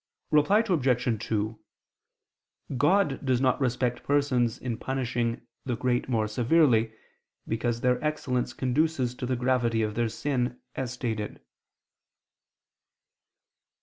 Reply Obj. 2: God does not respect persons in punishing the great more severely, because their excellence conduces to the gravity of their sin, as stated.